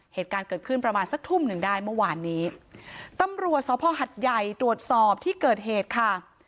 เหตุการณ์เกิดขึ้นประมาณสักทุ่มหนึ่งได้เมื่อวานนี้ตำรวจสภหัดใหญ่ตรวจสอบที่เกิดเหตุค่ะ